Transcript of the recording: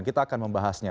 kita akan membahasnya